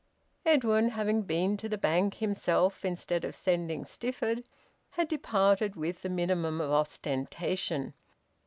Edwin having been to the Bank himself, instead of sending Stifford, had departed with the minimum of ostentation.